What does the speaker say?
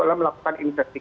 saya melakukan investigasi